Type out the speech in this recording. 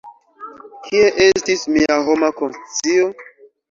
Kie estis mia homa konscio?